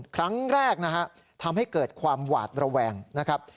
ครั้งแรกนะฮะทำให้เกิดความหวาดระแวงนะครับ